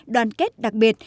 đoàn kết đặc biệt